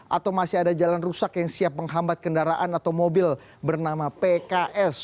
atau masih ada jalan rusak yang siap menghambat kendaraan atau mobil bernama pks